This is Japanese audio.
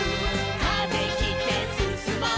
「風切ってすすもう」